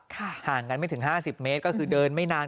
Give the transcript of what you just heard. คุณซวิตถามว่าวัยรุ่นที่มาก่อเหตุนอกอันนั้นก็เกินไป